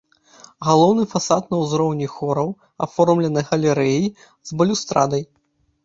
Галоўны фасад на ўзроўні хораў аформлены галерэяй з балюстрадай.